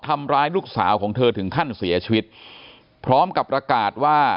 ทำร้ายลูกสาวของเธอถึงขั้นเสียชีวิตพร้อมกับประกาศว่า